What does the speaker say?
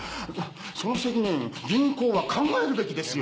その責任銀行は考えるべきですよ。